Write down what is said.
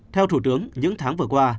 theo thủ tướng những tháng vừa qua